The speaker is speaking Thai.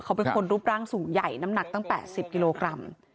เขาเป็นคนรูปร่างสูงใหญ่น้ำหนักตั้ง๘๐กิโลกรัม